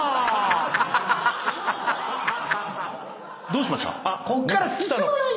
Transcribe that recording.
どうしました？